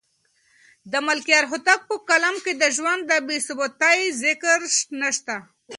د ملکیار هوتک په کلام کې د ژوند د بې ثباتۍ ذکر نشته.